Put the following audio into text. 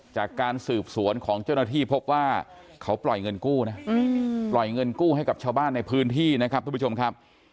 จากการสืบสวนของเจ้าหน้าที่พบว่าเขาปล่อยเงินกู้นะปล่อยเงินกู้ให้กับชาวบ้านในพื้นที่นะครับทุกผู้ชมครับ